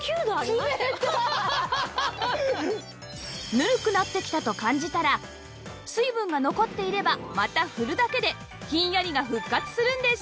ぬるくなってきたと感じたら水分が残っていればまた振るだけでひんやりが復活するんです